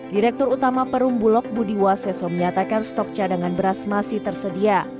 direktur utama perumbulok budi waseso menyatakan stok cadangan beras masih tersedia